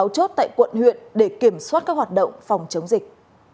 hai mươi sáu chốt tại quận huyện để kiểm soát các hoạt động phòng chống dịch